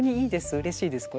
うれしいですこれは。